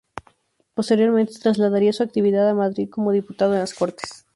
Posteriormente trasladaría su actividad a Madrid como diputado en las Cortes.